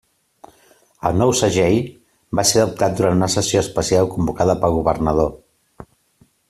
El nou segell va ser adoptat durant una sessió especial convocada pel Governador.